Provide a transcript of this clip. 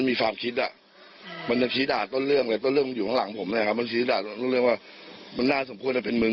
มันสิทธิศาสตร์ต้นเรื่องว่ามันน่าสมควรเป็นมึง